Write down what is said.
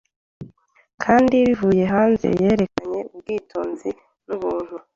Kandi bivuye hanze yerekanye ubwitonzi n'ubuntu